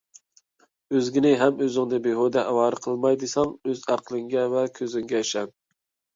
ئۆزگىنى ھەم ئۆزۈڭنى بىھۇدە ئاۋارە قىلماي دېسەڭ، ئۆز ئەقلىڭگە ۋە كۆزۈڭگە ئىشەن.